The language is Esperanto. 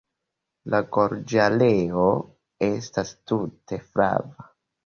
La gorĝareo estas tute flava.